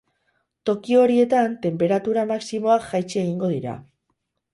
Toki horietan tenperatura maximoak jaitsi egingo dira.